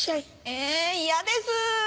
え嫌です。